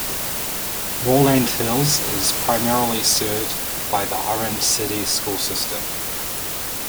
Moreland Hills is primarily served by the Orange City School System.